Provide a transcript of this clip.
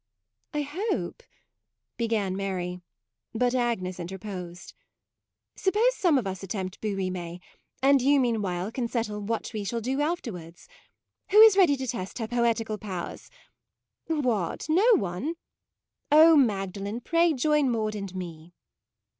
" I hope " began Mary ; but Agnes interposed :" Suppose some of us attempt bouts rimes, and you meanwhile can settle what we shall do afterwards. Who is ready to test her poetical powers ? What, no one ? Oh, Magdalen, pray join Maude and me."